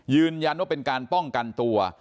ยืนยันว่าเป็นการป้องกันตัว